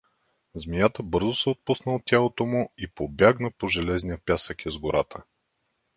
Змията бързо се отпусна от тялото му и побягна по железния пясък из гората.